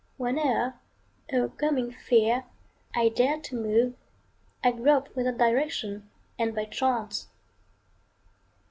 Whene'er, o'ercoming fear, I dare to move, I grope without direction and by chance.